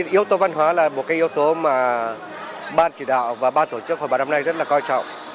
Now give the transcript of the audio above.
yếu tố văn hóa là một cái yếu tố mà ban chỉ đạo và ban tổ chức hội báo năm nay rất là coi trọng